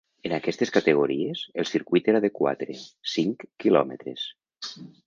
En aquestes categories, el circuit era de quatre, cinc quilòmetres.